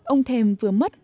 ông thềm vừa mất